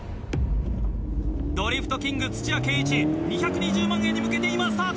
ドリフトキング土屋圭市２２０万円に向けて今スタート。